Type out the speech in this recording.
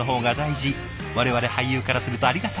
我々俳優からするとありがたい！